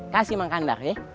kasih makan dah ya